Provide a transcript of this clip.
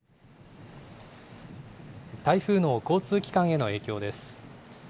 台風の交通機関への影響です。